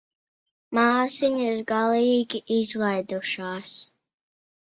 Māsiņas galīgi izlaidušās.